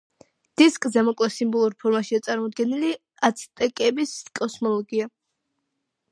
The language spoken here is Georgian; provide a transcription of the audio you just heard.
დისკზე მოკლე სიმბოლურ ფორმაშია წარმოდგენილი აცტეკების კოსმოლოგია.